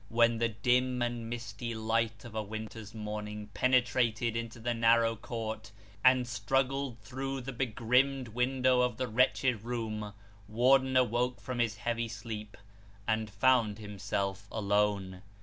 When the dim and misty light of a winter's morning penetrated into the narrow court, and struggled through the begrimed window of the wretched room, Warden awoke from his heavy sleep, and found himself alone.